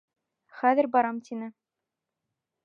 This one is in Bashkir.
Хәҙер барам, тине.